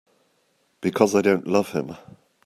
Because I don't love him.